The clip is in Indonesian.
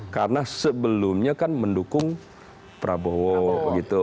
karena sebelumnya kan mendukung prabowo